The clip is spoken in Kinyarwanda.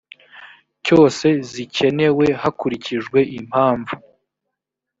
cyose zigikenewe hakurikijwe impamvu